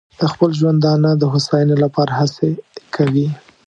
د خپل ژوندانه د هوساینې لپاره هڅې کوي.